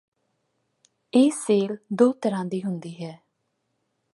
ਇਹ ਸੇਲ ਦੋ ਤਰ੍ਹਾਂ ਦੀ ਹੁੰਦੀ ਹੈ